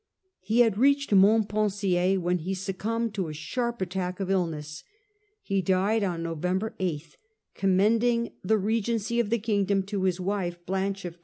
He had reached Montpensier when he succumbed to a sharp attack of illness. He died on November 8th, commending the regency of the kingdom to his wife, Blanche of Castile.